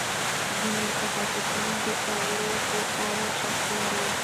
ځینې متخصصان د اولو په اړه شک لري.